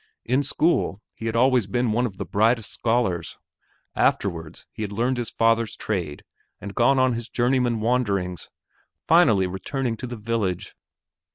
In school, he had always been one of the brightest scholars. Afterwards, he had learned his father's trade and had gone on his journeyman wanderings, finally returning to the village.